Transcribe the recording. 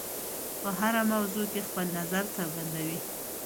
په هره موضوع کې خپل نظر څرګندوي.